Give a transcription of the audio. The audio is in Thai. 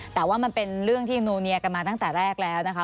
แต่ว่ามันเป็นเรื่องที่อำนูเนียกันมาตั้งแต่แรกแล้วนะคะ